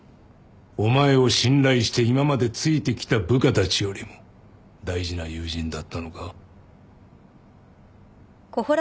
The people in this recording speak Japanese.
お前を信頼して今までついてきた部下たちよりも大事な友人だったのか？